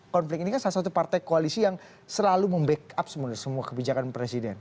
konflik ini kan salah satu partai koalisi yang selalu membackup semua kebijakan presiden